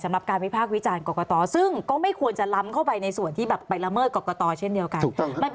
สำหรับการวิพากษ์วิจารณ์กรกตซึ่งก็ไม่ควรจะล้ำเข้าไปในส่วนที่แบบไปละเมิดกรกตเช่นเดียวกัน